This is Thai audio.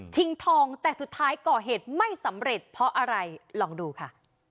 ทองแต่สุดท้ายก่อเหตุไม่สำเร็จเพราะอะไรลองดูค่ะ